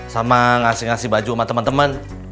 sama ngasih ngasih baju sama temen temen